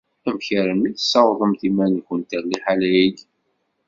Amek almi i tessawḍemt iman-nkent ar liḥala-agi?